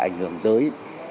ảnh hưởng tới